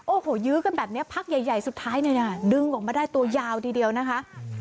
โอ้โหยื้อกันแบบนี้พักใหญ่สุดท้ายเนี่ยนะดึงออกมาได้ตัวยาวทีเดียวนะคะ